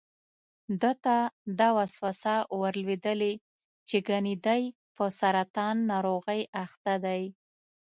ده ته دا وسوسه ور لوېدلې چې ګني دی په سرطان ناروغۍ اخته دی.